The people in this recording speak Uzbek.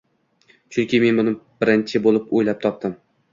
Chunki men buni birinchi bo‘lib o‘ylab topdim.